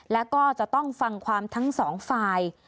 แล้วก็จะต้องฟังความทั้งสองฝ่าย